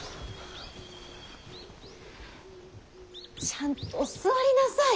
ちゃんとお座りなさい。